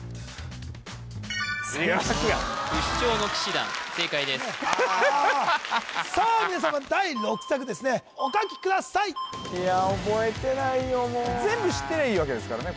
最悪や「不死鳥の騎士団」正解です・あさあ皆様第６作ですねお書きくださいいや覚えてないよもう全部知ってればいいわけですからね